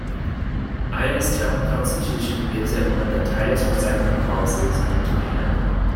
Aya's town constitution gives it one of the tightest recycling policies in Japan.